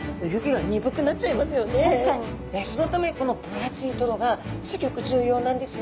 そのためこの分厚いトロがすギョく重要なんですね。